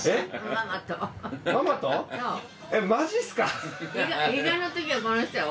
えっマジっすか！？